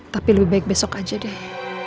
tapi lebih baik besok aja deh